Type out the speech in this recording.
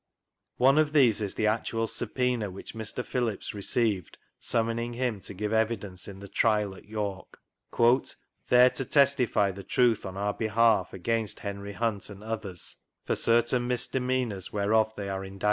One of these is the actual subpcena v^idi Mr. Phillips received, summoning him to give evidenco in the trial at York: "there to testify the truth on our behalf against Henry Hunt and others for vGoogIc GLEANINGS FROM SCRAP BOOKS »?